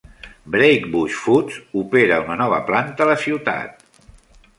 Brakebush Foods opera una nova planta a la ciutat.